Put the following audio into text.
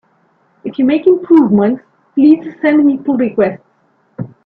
If you make improvements, please send me pull requests!